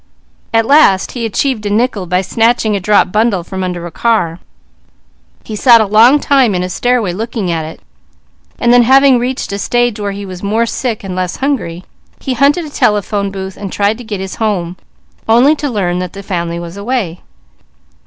At last he achieved a nickel by snatching a dropped bundle from under a car. He sat a long time in a stairway looking at it, and then having reached a stage where he was more sick, and less hungry, he hunted a telephone booth and tried to get his home, only to learn that the family was away.